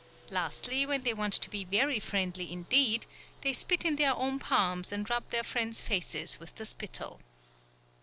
Lastly, when they want to be very friendly indeed, they spit in their own palms and rub their friends' faces with the spittle.